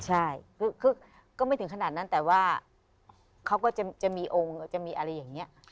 ใช่คือก็ไม่ถึงขนาดนั้นแต่ว่าเขาก็จะมีองค์จะมีอะไรอย่างนี้